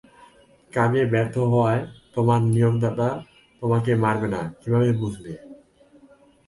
কাজে ব্যর্থ হওয়ায় তোমার নিয়োগদাতা তোমাকে মারবে না কীভাবে বুঝলে?